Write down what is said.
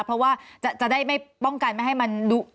เพราะว่าจะได้ไม่ป้องกันไม่ให้มันดุ